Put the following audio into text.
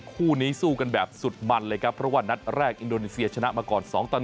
คู่นี้สู้กันแบบสุดมันเลยครับเพราะว่านัดแรกอินโดนีเซียชนะมาก่อน๒ต่อ๑